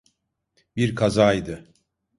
Bir kazaydı.